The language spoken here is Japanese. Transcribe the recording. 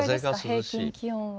平均気温は。